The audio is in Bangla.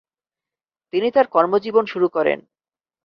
তিনি তাঁর কর্মজীবন শুরু করেন।